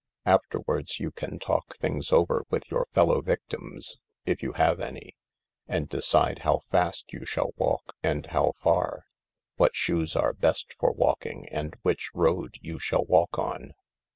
Afterwards you can talk things over with your fellow victims, if you have any, and decide how fast you shall walk and how far, what shoes are best for walking, and which road you shall walk on.